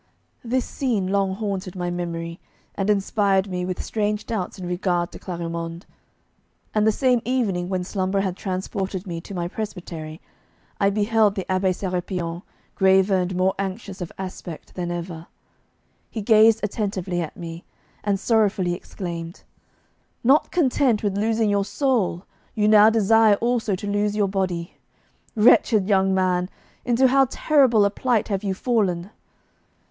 This scene long haunted my memory, and inspired me with strange doubts in regard to Clarimonde; and the same evening, when slumber had transported me to my presbytery, I beheld the Abbé Sérapion, graver and more anxious of aspect than ever. He gazed attentively at me, and sorrowfully exclaimed: 'Not content with losing your soul, you now desire also to lose your body. Wretched young man, into how terrible a plight have you fallen!